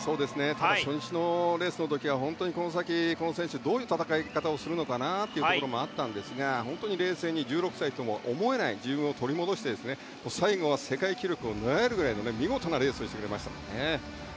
ただ、初日のレースの時は本当にこの先この選手どういう戦い方をするのかなというところもあったんですが冷静に、１６歳とは思えない自分を取り戻して最後は世界記録を狙えるぐらいのレースをしてくれました。